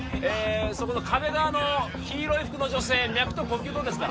そこの壁側の黄色い服の女性脈と呼吸どうですか？